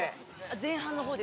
前半のほうですね。